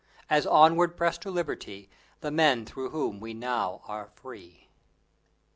As onward pressed to liberty The men through whom we now are free!